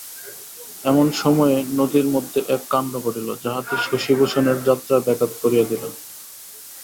এমন সময়ে নদীর মধ্যে এক কাণ্ড ঘটিল যাহাতে শশিভূষণের যাত্রার ব্যাঘাত করিয়া দিল।